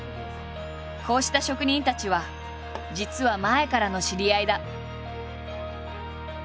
こうした職人たちは実は前からの知り合いだ。